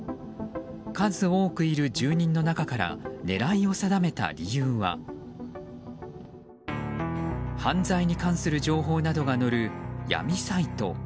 数多くいる住人の中から狙いを定めた理由は犯罪に関する情報などが載る闇サイト。